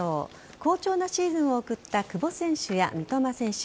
好調なシーズンを送った久保選手や三笘選手